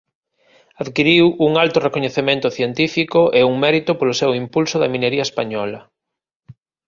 Adquiriu un alto recoñecemento científico e un mérito polo seu impulso da minería española.